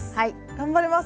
頑張ります！